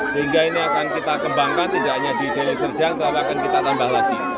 sehingga ini akan kita kembangkan tidak hanya di deli serdang tapi akan kita tambah lagi